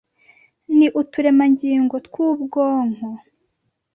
ni uturemangingo tw’ubwonko